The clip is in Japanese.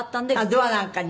ドアなんかに？